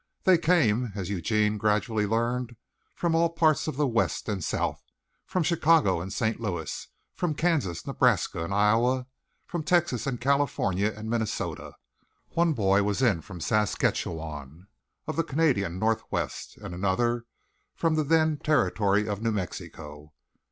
They came, as Eugene gradually learned, from all parts of the West and South, from Chicago and St. Louis from Kansas, Nebraska and Iowa from Texas and California and Minnesota. One boy was in from Saskatchewan of the Canadian north west, another from the then territory of New Mexico.